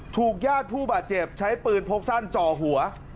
ญาติผู้บาดเจ็บใช้ปืนพกสั้นจ่อหัว